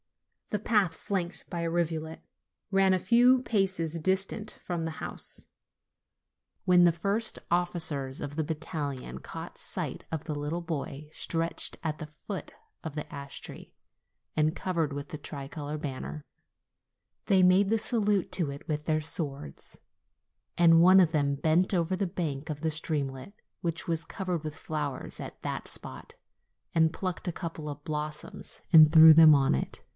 The path, flanked by a rivulet, ran a few paces distant from the house. When the first officers of the battalion caught sight of the little body stretched at the foot of the ash tree and covered with the tricolored banner, they made the salute to it with their swords, and one of them bent over the bank of the streamlet, which was covered with flowers at that spot, and plucked a couple of blossoms and threw them on it.